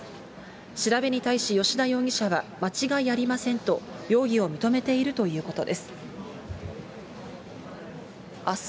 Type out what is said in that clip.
調べに対し、吉田容疑者は、間違いありませんと、容疑を認めているということです。